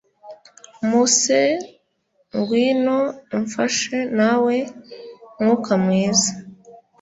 Muses ngwino umfashe nawe Mwuka mwiza